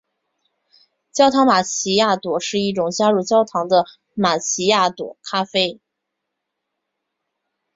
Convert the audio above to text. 焦糖玛琪雅朵是一种加入焦糖的玛琪雅朵咖啡。